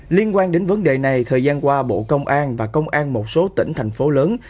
liên quan đến vấn đề này thời gian qua bộ công an và công an một số tỉnh thành phố lớn